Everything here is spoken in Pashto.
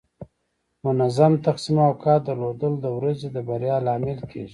منظم تقسیم اوقات درلودل د ورځې د بریا لامل کیږي.